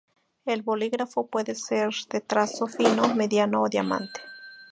El bolígrafo puede ser de trazo fino, mediano o diamante.